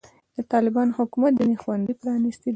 د طالبانو حکومت ځینې ښوونځي پرانستې دي.